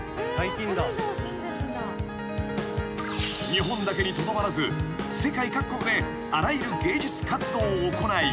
［日本だけにとどまらず世界各国であらゆる芸術活動を行い］